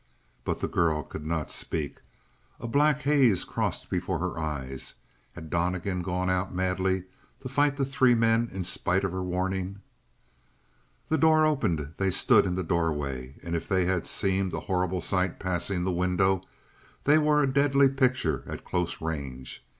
But the girl could not speak. A black haze crossed before her eyes. Had Donnegan gone out madly to fight the three men in spite of her warning? The door opened. They stood in the doorway, and if they had seemed a horrible sight passing the window, they were a deadly picture at close range.